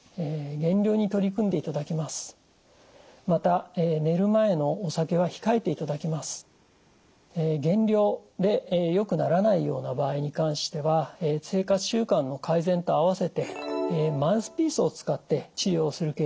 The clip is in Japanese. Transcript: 減量でよくならないような場合に関しては生活習慣の改善と併せてマウスピースを使って治療するケースもあります。